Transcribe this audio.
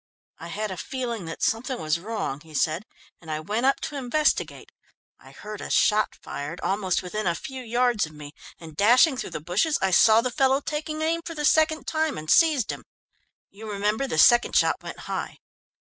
"I had a feeling that something was wrong," he said, "and I went up to investigate. I heard a shot fired, almost within a few yards of me, and dashing through the bushes, I saw the fellow taking aim for the second time, and seized him. You remember the second shot went high."